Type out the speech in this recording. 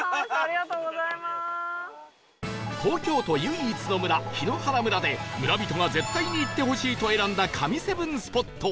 東京都唯一の村檜原村で村人が絶対に行ってほしいと選んだ神７スポット